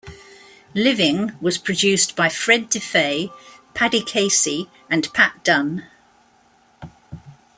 "Living" was produced by Fred De Faye, Paddy Casey and Pat Donne.